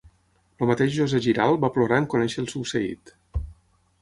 El mateix José Giral va plorar en conèixer el succeït.